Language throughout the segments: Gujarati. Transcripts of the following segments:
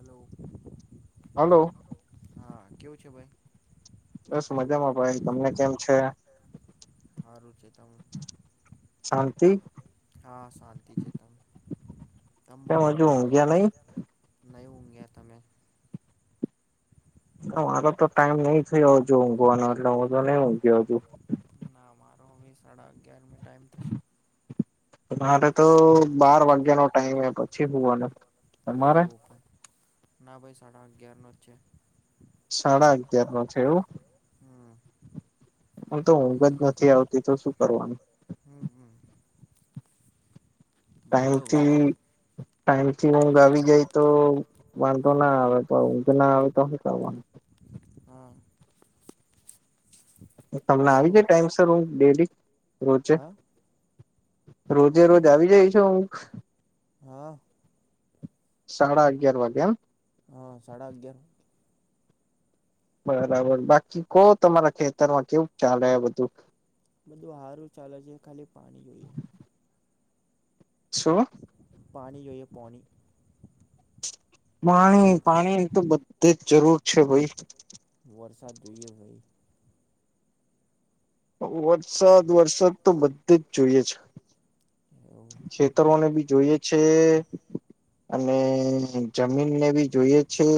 હલો. હલો. હા. કેવું છે ભાઈ? બસ મજામાં. ભાઈ તમને કેમ છે? સારું છે. ત શાંતિ હા શાંતિ છે ત. કેમ હજુ ગયા નહી? નહી ઊંગ્યા તમે? મારો તો ટાઈમ નઈ થયો હજુ ઊંઘવાનો, એટલે હું તો નઈ ઊંઘ્યો હજુ ના મારો હવે સાડા અગિયારમાં ટાઈમ થશે. તમારે તો બાર વાગ્યા નો ટાઈમ પછી હુવાનું, તમારે? એવું પણ ના ભાઈ સાડા અગિયારનો જ છે. સાડા અગિયાર નો છે એવું. હમ હું તો ઊંઘ જ નથી આવતી તો શું કરવાનું. હમ હમ [unintelligible] બરોબર ટાઈમથી હા ઊંઘ બરોબર છે આવી જાય તો વાંધો ના આવે પણ ઊંઘ ના આવે, તો હું કરવાનું? હા તમને આવી જાય ટાઈમ સર હું ડેલી રોજે. હા રોજે રોજ હું આવી જાય છો ઊંઘ? હા. સાડા અગિયાર વાગેમ. હા સાડા અગયાર. બરાબર. બાકી કો તમારા ખેતરમાં કેવું ચાલે આ બધું? બધું હારું ચાલે છે, ખાલી પાણી જોઈએ શું? પાણી જોએ પોની પાણી પાણી તો બધી જ જરૂર છે ભાઈ. સાજએ ભઈ [unintelligible] ઓ જ [unintelligible] વરસાદ વરસાદ તો બધે જ જોઈએ છે, એવું ખેતરોને બી જોઈએ છે અને જમીનને બી જોઈએ છે.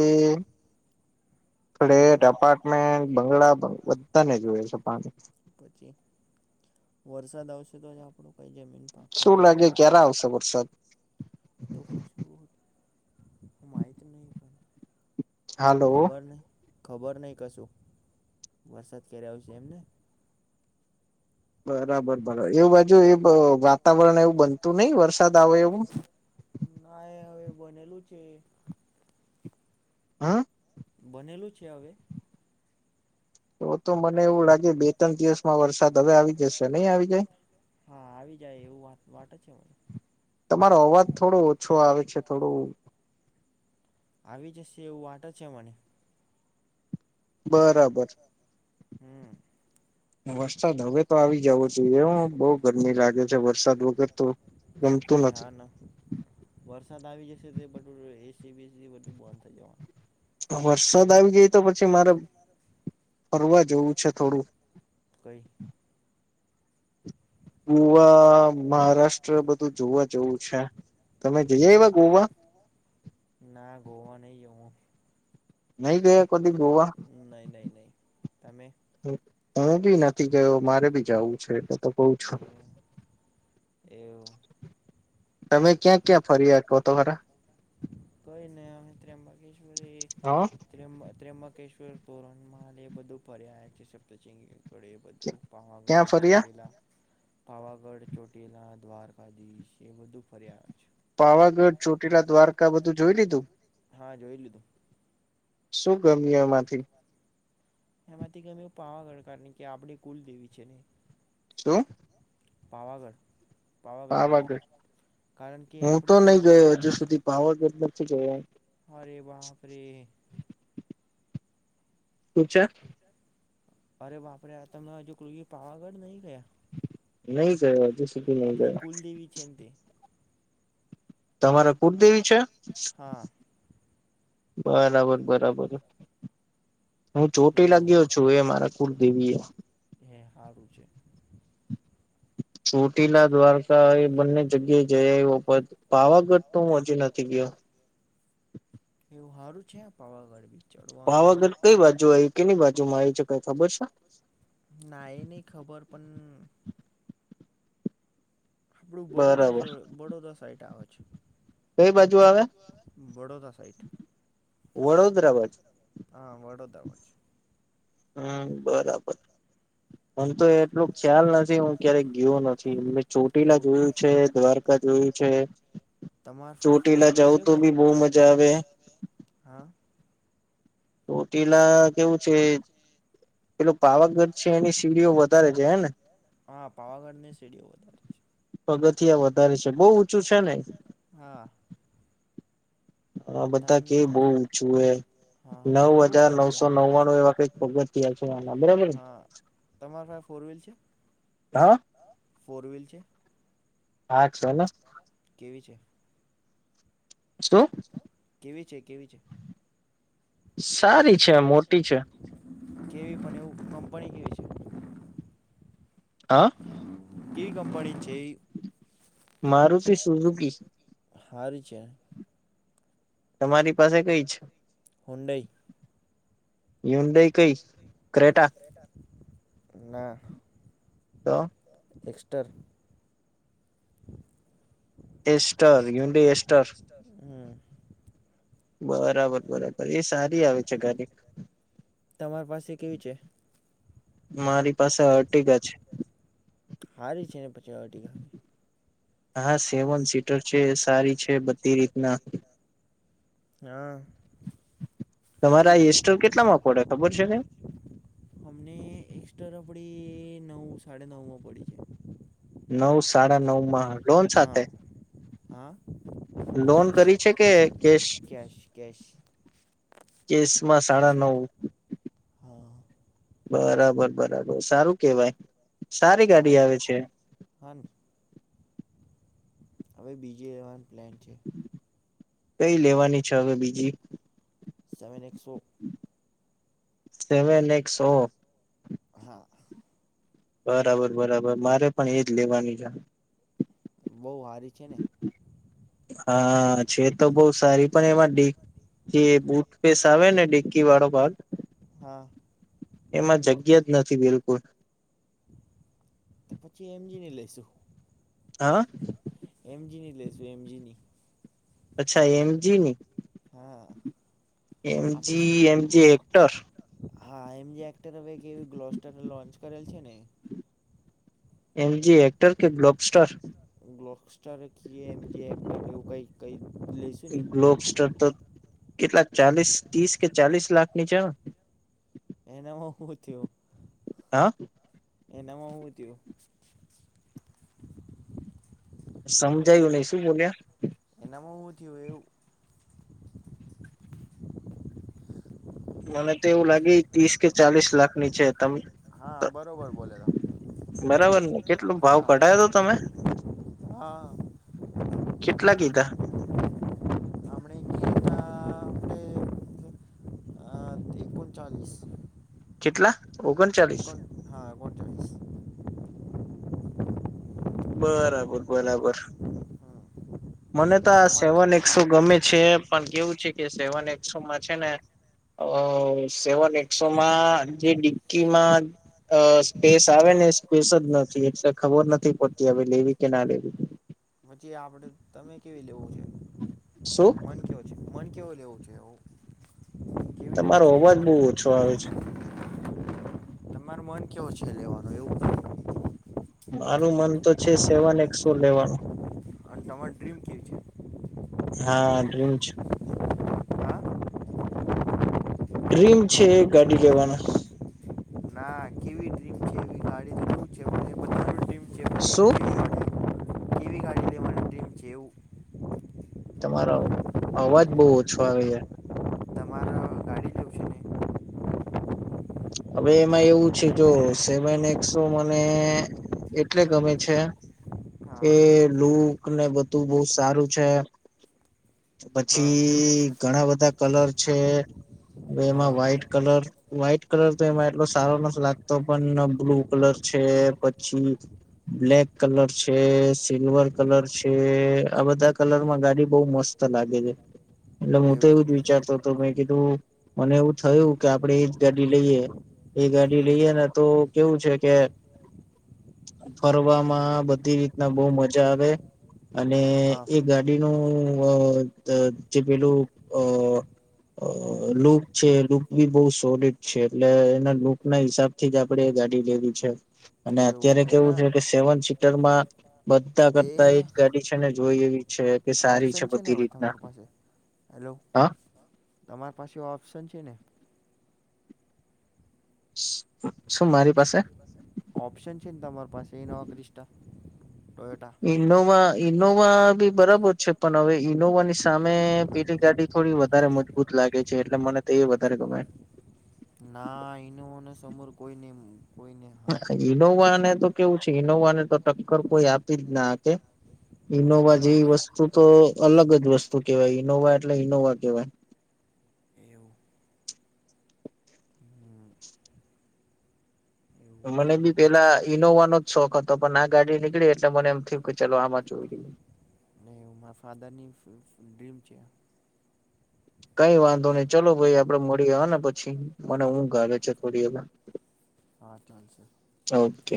ફ્લેટ હમ અપાર્ટમેન્ટ બંગલા બધાને જોય છે પાણી પછી વરસાદ આવશે તો જ આપડો શું લાગે ક્યારે આવશે વરસાદ તો કશો હો માહિત નહી પણ હલો ખબર નહ કશું વરસાદ કયારે આવ છે એમને બરાબર બરાબર એવું વાત જો એ વાતાવરણ એવું બનતું નહીિ વરસાદ આવે એવું ના એ હવે બનેલું છે હા બનેલું છે હવે એ તો મને એવું લાગે બે ત્રણ દિવસમાં વરસાદ હવે આવી જશે નહી આવી જાય હા આવી જાય એવું વાત વાટે છે મને તમારો અવાજ થોડો ઓછો આવે છે થોડું આવી જશે એવું વાતો છે મને બરાબર હમ વરસાદ હવે તો આવી જવો જોઈએ બહ ગરમી લાગે છે વરસાદ વગર તો ગમતું હા નથી ના વરસાદ આવી જશે તે બટું એસી બીસી બધું બંધ થઇ જવાનું વરસાદ આવી ગઈ તો પછી મારે ફરવા જોવું છે થોડું કોઈ ગુવા મહારાષ્ટ્ર બધું જોવા જેવું છે તમે જઈ કઈ આવ્યા ગોવા ના ગોવા નહ આવું નહી ગયા કદી ગોવા નહીં નહીં નહીં તમે બી નથી ગયો મારે બી જું છે એટલે તો કઉ છો. એવુ તમે ક્યાં ક્યાં ફરી આપ્યો તો ખરા હા ત્રિબિકેશ્વર અકેશ્વર તોરણમાં એ બધું [unintelligible] છે શબ્દ [unintelligible] પળે એબધું ક્યાં પાવાગઢ ફર્યા ચોટીલા પાવાગઢ ચોટીલા દ્વારકાધીશ એ બધું ફર્યા છે પાવાગઢ ચોટીલા દ્વારકા બધું જોઈ લીધું હા જોઈ લીધું શું ગમ્યું એમાંથી એમાંથી ગમ્યું પાવાગઢ કારણ કે આપણી કુલદેવી છે ને શું પાવાગઢ પાવાગઢ કારણ કે હું તો આપણી નઈ ગયો કુલદેવી હજુ સુધી પાવાગઢ નથી જવાય અરે બાપ રે [unintelligible] અરે બાપ રે આ તમે [unintelligible] પાવાગઢ નઈ ગયા નઈ ગયો હજી સૂધી આપડી કુલદેવી છે ને તે તમારા કુળદેવી છે હા બરાબર બરાબર હું ચોટીલા એવું ગીયો છું એ મારા કુલ દેવીએ હારું છે [unintelligible] ટીલા દ્વારકા એ બંને જગ્યાએ [unintelligible] પાવાગઢ તો હું હજી નથી ગીયો એવું હારું છે પાવાગઢ બી ચડવાનું પાવાગઢ કઈ બાજુ [unintelligible] બાજુ માં આવી કઈ ખબર છે ના એની ખબર પન વડોદરા બરાબર જોડે વડોદરા સાઈટ આવે છે કઈ બાજુ આવે વડોદરા સાઇટ વડોદરા બાજુ હા વડોદરા માં હમ બરાબર હમ તો એટલો ખ્યાલ નથી હું ક્યારેક ગીયો નથી મેં ચોટીલા એવું જોયું છે દ્વારકા જોયું છે તમ ચોટીલા જાવું તો બી બો મજા આવે હા ચોટીલા કેવું છે પેલું પાવાગઢ છે એની સીડીઓ વધારે છે હેને [inaudible] છે પગથિયાં વધારે છે બો ઊંચું છે ને છે હા હા તમ બધા કે બો ઊંચું હોય હા નવ મેં એવું કતો હજાર હતો નવસો નવ્વાણું એવા કઈક પગથિયાં છેઆના બરાબર ને તમારા પાહે ફોર વ્હીલ છે હ ફોર વ્હીલ છે હા છે ને કેવી છે શું કેવી છે કેવી છે સારી છે મોટી છે કેવી પણ [inaudible] અ કેવી કંપની ની છે મારૂતિ સુઝુકી હારી છે તમારી પાસે કઈ હુંડાઈ છે કઈ ક્રેટા ના તો એસ્ટર એસ્ટર યુડી એસ્ટર હમ બ બરાબર બરાબર એ સારી આવે છે ગાડી તમારી પાસે કેવી છે મારી પાસે અર્ટીગા છે અર્ટીગા હા સેવન સીટર છે સારી છે બધી રીતના હા તમારે બી કોઈ એસ્ટર કેટલામાં પડે ખબર છે કઈ? અમને એસ્ટર પડી નવ સાડા નવ માં પડી છે નવ સાડા નવ માં લોન હા સાથે હા લોન કરી છે કે કેશ? કેસમાં સાડા નવ હા બરાબર બરાબર સારું કેવાય. સારી ગાડી હારું આવે છે. હા ને હવે બીજી લેવાનો પ્લેન છે કઈ લેવાની છે હવે બીજી સેવન એક્સો સેવન એકક્સ ઓફ હા બરાબર બરાબર મારે પણ એજ લેવાની છે. બહુ હારી છે ને? હા છે તો બહુ સારી પણ એમાં જે બુટ પેસ આવે ને ડેકી વાળો ભાગ. હા. એમાં જગ્યા જ નથી બિલકુલ. તો પછી એમ જીની લઈસું. હા. એમ જી ની લેશું એમ જીની. અચ્છા એમ જી ની. હા એમ આપણી જી એમ જી હેક્ટર. હા એમ જે એક્ટર હવે કે એવી ગ્લોસ્ટાર લોન્ચ કરેલ છે ને. એમ જી એક્ટર કે બ્લોસ્ટ્ટા? બ્લોકસ્ટારખીએ એમ જેમ એવું કઈક કઈ લઈશું ને ગ્લોબસ્ટાર તો કેટલા ચાલીસ ત્રીસ કે ચાલીસ લાખ ની છે ને? એનામાં શું થયું. હા. એનામાં હું થયું. સમજાયું નહી શું બોલ્યા? તમાં હું થયું એવું. મને તો એવું લાગે ત્રીસ કે ચાલીસ લાખની છે તમ હા બરોબર બોલે બરાબર ને કેટલો તમે ભાવ હા કઢાયો તો તમે? હા કેટલા કીધા? [inaudible] ઓગણચાળીસ. કેટલા? ઓગણચાલીસ. [inaudible] બરાબર બરાબર. મને તો આ તમારે સેવન એસો ગમે છે પણ કેવું છે કે સેવન એક્સોમાં છે ને અ સેવન એક્સોમાં જે ડિકકીમાં અ સ્પેસ આવે સ્પેશ જ નથી એ ખબર નથી પડતી હવે લેવી કે ના લેવી. પછી આપડે તમે કેવી લેવું છે શું મન કેવો છે મન કેવો લેવું છેવ. તમારો અવાજ બહુ ઓછો આવે છે. તમાર મન કેવ છે લેવાનું એવું કીધું. મારું મન તો છે સેવાન એક સો લેવાનું. અને [inaudible] હા ડ્રીમ છે. હા ડ્રીમ છે ગાડી લેવાનો. ના કેવી ડ્રીમ છે એવી ગાડી તો શું છે મને બધાનું ડ્રીમ છે શું? પણ એ કેવી ગાડી કેવી ગાડી લેવાની ડ્રીમ છે એવું તમારો અવાજ બહુ ઓછો આવે છે. તમારા ગાડી લેવું છે ને હવે એમાં એવું છે કે સેમન એક્સો મને એટલે ગમે છે કે હા લુક ને બધું બહુ સારું છે હા પછી ઘણા બધા કલર છે હવે એમાં હા વ્હાઈટ કલર વ્હાઈટ કલર તો એમાં એટલો સારો નથી લાગતો પણ બ્લુ કલર છે પછી બ્લેક કલર છે, સિલ્વર કલર છે આ બધા કલરમાં ગાડી બહુ મસ્ત લાગે છે. એટલે હું તો એવું જ વિચારતો તો મેં કીધું મને એવું થયું કે આપડે એ જ ગાડી લઈએ એ ગાડી હમ લઈએ ને તો કેવું છે કે ફરવામાં બધી રીતના બહુ મજા આવે. અને હા એ ગાડીનું અ ત જે પેલું અ અ હમ લુક છે લુક બી બહુ સોલીડ છે એટલે એના લુક ના હિસાબથી જ આપડે ગાડી લેવી છે અને અત્યારે એવું કેવું છે એના કે સેવન સીટરમાં બધા કરતા એ જ ગાડી છે ને જોઈ એવી છે કે સારી છે. ઓપ્શન છે ને બધી ભાઈ રીતના તમારી પાસે હેલો હા તમારી પાસે ઓપ્શન છે ને શું મારી પાસે ઓપ્શન છે ને તમારી પાસે એ નવા ક્રિષા એનોવા ઈનોવા બી બરાબર છે પણ હવે ઈનોવા ની સામે પેલી ગાડી થોડી વધારે મજબૂત લાગે લાગે છે એટલે મને તો એ વધારે ગમે ના એનું મને સમર કોઈ નઈ ઈનોવા ને તો કેવું છે ઈનોવા ને તો ટક્કર કોઈ આપી જ ના શકે પણ ઈનોવા માર જેવી વસ્તુ તો અલગ જ વસ્તુ કેવાય ઈનોવા એટલે ઈનોવા કેવાય એવું હમ [inaudible] એવું મને હોય બી બીજું ને પેલા ઈનોવા નો શોખ હતો પણ આ ગાડી નીકળી એટલે મને એમ થયું કે ચાલ આમાં જોઈ લઈએ એવું મારા ફાધરની ડ્રીમ છે. કઈ વાંધો નહી ચલો ભાઈ આપડે મળી આવ ને પછી મને હું ગલે છે થોડી હ હા- ઓકે